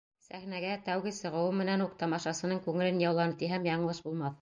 Сәхнәгә тәүге сығыуы менән үк тамашасының күңелен яуланы тиһәм, яңылыш булмаҫ.